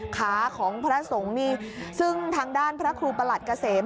ขาของพระสงฆ์นี่ซึ่งทางด้านพระครูประหลัดเกษม